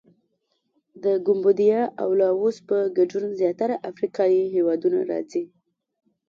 د کمبودیا او لاووس په ګډون زیاتره افریقایي هېوادونه راځي.